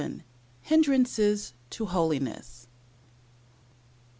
HINDRANCES TO HOLINESS.